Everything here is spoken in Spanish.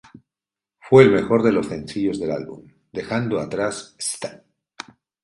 Fue el mejor de los sencillos del álbum, dejando atrás "St.